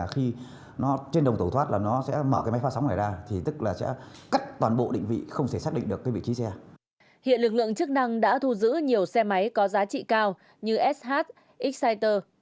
hiện lực lượng chức năng đã thu giữ nhiều xe máy có giá trị cao như sh exciter